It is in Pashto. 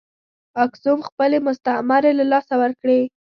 اکسوم خپلې مستعمرې له لاسه ورکړې.